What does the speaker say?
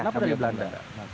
kenapa dari belanda